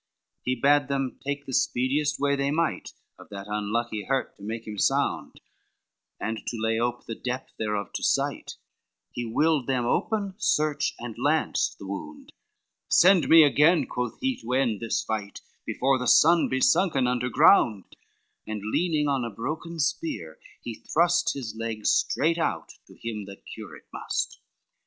LXIX He bade them take the speediest way they might, Of that unlucky hurt to make him sound, And to lay ope the depth thereof to sight, He willed them open, search and lance the wound, "Send me again," quoth he, "to end this fight, Before the sun be sunken under ground;" And leaning on a broken spear, he thrust His leg straight out, to him that cure it must.